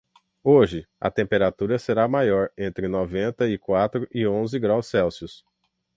Hoje, a temperatura será maior entre noventa e quatro e onze graus Celsius.